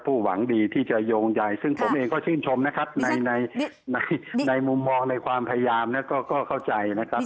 หวังดีที่จะโยงใหญ่ซึ่งผมเองก็ชื่นชมนะครับในในมุมมองในความพยายามก็เข้าใจนะครับ